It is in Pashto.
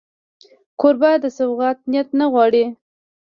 کوربه د سوغات نیت نه غواړي.